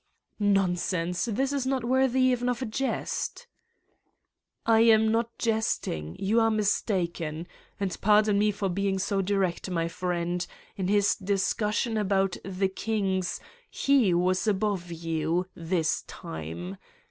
'' Nonsense ! This is not worthy even of a jest. " "I am not jesting. You are mistaken. And pardon me for being so direct, my friend : in his discussion about kings he was above you, this time.